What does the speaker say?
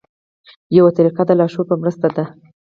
یوه طریقه د لاشعور په مرسته ده.